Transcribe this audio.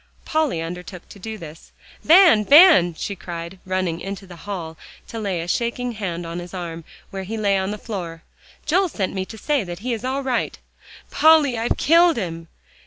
Polly undertook to do this. "Van Van!" she cried, running out into the hall to lay a shaking hand on his arm, where he lay on the floor. "Joel sent me to say that he is all right." "Polly, I've killed him!"